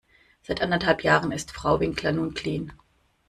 Seit anderthalb Jahren ist Frau Winkler nun clean.